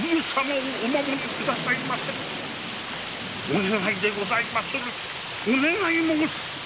お願いでございまするお願い申す！